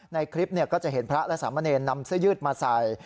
ในคลิปก็จะเห็นพระและสามเณรนำเสื้อยืดมาใส่